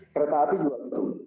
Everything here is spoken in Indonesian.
kereta api juga betul